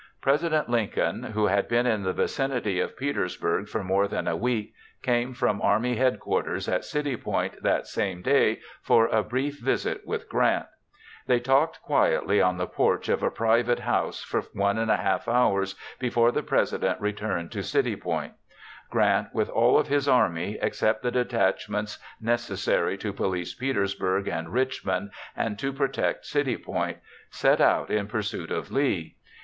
President Lincoln, who had been in the vicinity of Petersburg for more than a week, came from army headquarters at City Point that same day for a brief visit with Grant. They talked quietly on the porch of a private house for 1½ hours before the President returned to City Point. Grant, with all of his army, except the detachments necessary to police Petersburg and Richmond and to protect City Point, set out in pursuit of Lee.